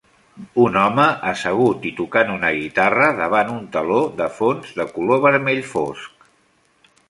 Un home assegut i tocant una guitarra davant un teló de fons de color vermell fosc.